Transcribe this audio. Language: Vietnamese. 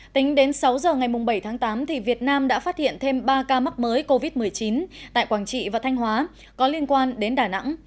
tính đến sáu giờ ngày bảy tháng tám việt nam đã phát hiện thêm ba ca mắc mới covid một mươi chín tại quảng trị và thanh hóa có liên quan đến đà nẵng